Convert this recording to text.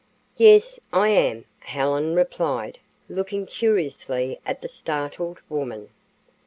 "Yes, I am," Helen replied, looking curiously at the startled woman.